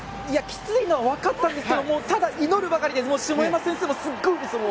きついのは分かったんですけど祈るばかりで下山先生もすごいです。